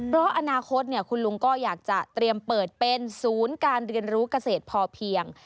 เพราะอนาคตคุณลุงก็อยากจะเตรียมเปิดเป็นศูนย์การเรียนรู้เกษตรพอเพียง